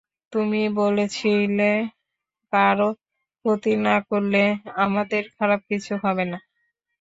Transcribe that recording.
তুমি বলেছিলে কারো ক্ষতি না করলে আমাদের খারাপ কিছু হবে না।